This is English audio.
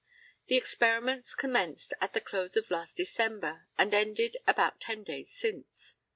The experiments commenced at the close of last December, and ended about ten days since.